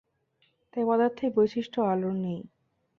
তাই পদার্থের বৈশিষ্ট্য আলোর নেই।